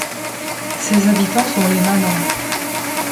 Ses habitants sont les Manants.